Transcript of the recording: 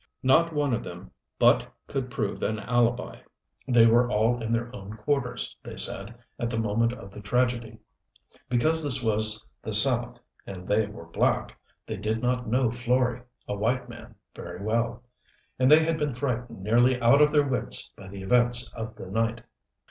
Not one of them but could prove an alibi. They were all in their own quarters, they said, at the moment of the tragedy. Because this was the South and they were black, they did not know Florey, a white man, very well. And they had all been frightened nearly out of their wits by the events of the night.